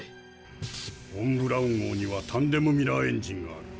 フォン・ブラウン号にはタンデム・ミラーエンジンがある。